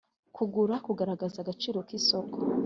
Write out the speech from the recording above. kugura kugaragaza agaciro k isoko